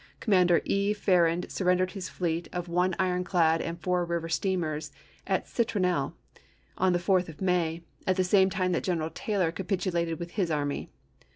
Commodore E. Farrand surrendered his fleet of one ironclad and four river steamers at Citronelle,1 on the 4th of May, at the same time that General Taylor capitulated with his army.